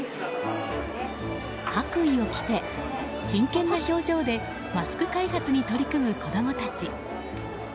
白衣を着て真剣な表情でマスク開発に取り組む子供たち。